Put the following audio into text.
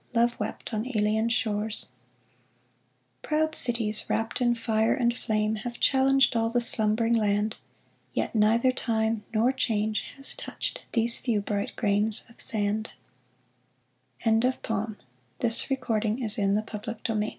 Love wept on alien shores. Proud cities, wrapped in fire and flame, Have challenged all the slumbering land ; Yet neither Time nor Change has touched These few bright grains of sand 1 VALDEMAR With